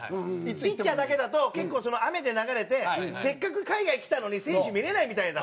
ピッチャーだけだと結構雨で流れてせっかく海外来たのに選手見れないみたいな。